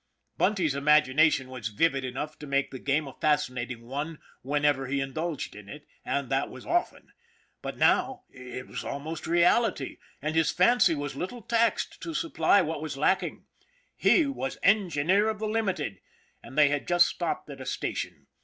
Bunty's imagination was vivid enough to make the game a fascinating one whenever he indulged in it, and that was often. But now it was almost reality, and his fancy was little taxed to supply what was lacking. He was engineer of the Limited, and they had just stopped at a station.